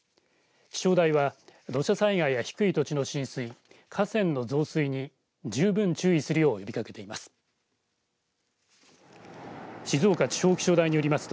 気象台は土砂災害や低い土地の浸水河川の増水に十分注意するよう呼びかけています。